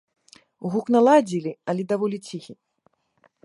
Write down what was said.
Гук наладзілі, але даволі ціхі.